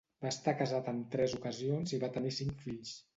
Va estar casat en tres ocasions i va tenir cinc fills.